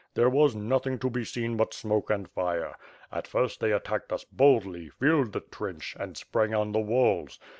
There was nothing to be seen but smoke and fire. At first they attacked us boldly, filled the trench, and sprang on the walls.